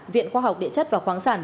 viện khoa học điện chất và khoáng sản